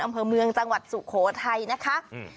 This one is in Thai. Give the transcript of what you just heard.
อำเภอเมืองจังหวัดสุโขทัยนะคะอืม